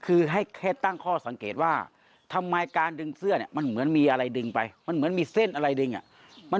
เอ้าเอ้ามายังไงอ่ะไม่มี